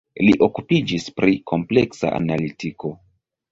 Li okupiĝis pri kompleksa analitiko.